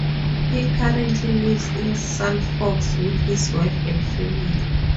He currently lives in Suffolk with his wife and family.